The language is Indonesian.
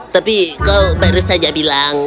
tapi kau baru saja bilang